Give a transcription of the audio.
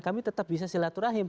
kami tetap bisa silaturahim